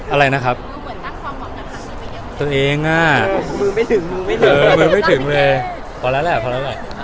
อะไรนะครับตัวเองอ่ะมือไม่ถึงเลยพอแล้วแหละพอแล้วแหละ